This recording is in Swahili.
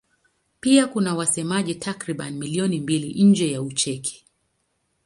Pia kuna wasemaji takriban milioni mbili nje ya Ucheki.